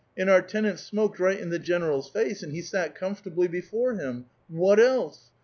and our tenant smoked right in the general's face, and he sat comfortably before him! what else?